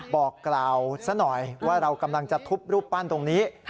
บอกกล่าวซะหน่อยว่าเรากำลังจะทุบรูปปั้นตรงนี้